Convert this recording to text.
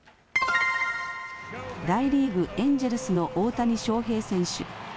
大リーグエンジェルスの大谷翔平選手。